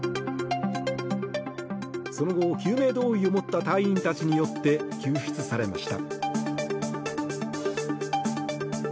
その後、救命胴衣を持った隊員たちによって救出されました。